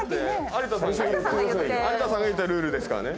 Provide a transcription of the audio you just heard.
有田さんが言ったルールですからね。